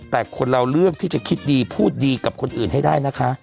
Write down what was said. แต่คนเราเลือกที่จะคิดดีพูดดีกับคนอื่นให้ได้นะคะ